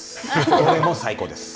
どれも最高です。